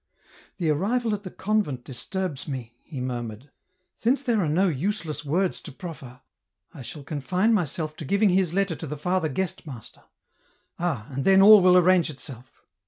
" The arrival at the convent disturbs me," he murmured ;" since there are no useless words to proffer, I shall confine myself to giving his letter to the Father Guestmaster ; ah ! and then all will arrange itself."